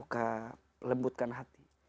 buka lembutkan hati